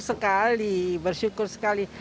oh bersyukur sekali